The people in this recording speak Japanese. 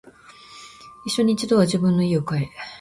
一生に一度は自分の家を買え